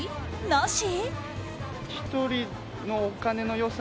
なし？